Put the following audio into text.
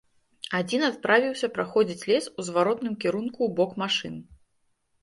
Адзін адправіўся праходзіць лес у зваротным кірунку ў бок машын.